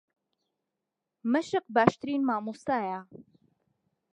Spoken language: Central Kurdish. مەشق باشترین مامۆستایە.